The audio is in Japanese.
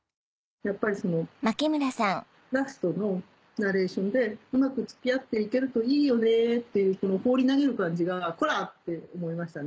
やっぱりそのラストのナレーションで「うまく付き合って行けるといいよね」っていう放り投げる感じがコラ！って思いました